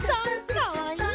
かわいい。